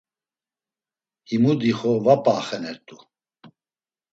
Himu dixo va p̌a axenert̆u!